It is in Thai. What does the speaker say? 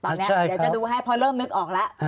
ตอนนี้เดี๋ยวจะดูให้เพราะเริ่มนึกออกแล้ว